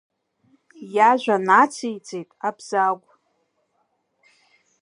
Иажәа инациҵеит Абзагә…